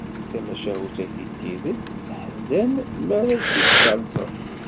Tamacahut-agi, d tidet tesseḥzan mi ara tt-id-tallseḍ.